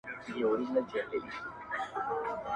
په منډه ولاړه ویل ابتر یې؛